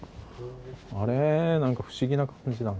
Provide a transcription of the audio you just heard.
何か不思議な感じだな。